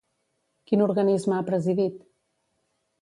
Quin organisme ha presidit?